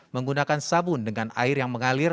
menggunakan sabun dengan air yang mengalir